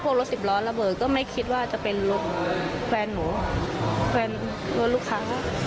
พวกรถสิบร้อยละเบิดก็ไม่คิดว่าจะเป็นลูกแฟนเวลาลูกค้า